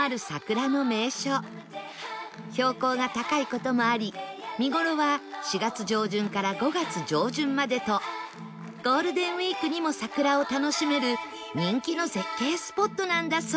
標高が高い事もあり見頃は４月上旬から５月上旬までとゴールデンウィークにも桜を楽しめる人気の絶景スポットなんだそうです